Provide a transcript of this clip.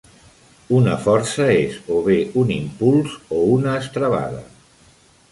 Una força és o bé un impuls o una estrebada.